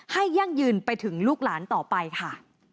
ยั่งยืนไปถึงลูกหลานต่อไปค่ะ